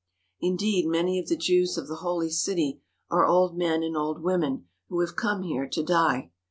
Indeed many of the Jews of the Holy City are old men and old women who have come here to die.